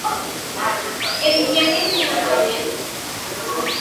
Ediciones es español